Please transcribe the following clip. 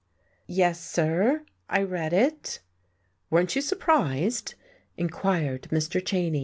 "Yes, sir, I read it." "Weren't you surprised?" inquired Mr. Cheyne.